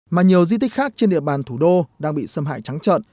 mà nhiều di tích khác trên địa bàn thủ đô đang bị xâm hại trắng trợn